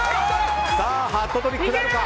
ハットトリックなるか。